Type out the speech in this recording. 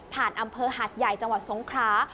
อำเภอหาดใหญ่จังหวัดสงครา